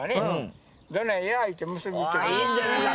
いいんじゃないか？